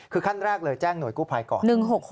คือขั้นแรกเลยแจ้งหน่วยกู้ภัยก่อน๑๖๖